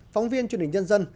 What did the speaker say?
phóng viên truyền hình nhân dân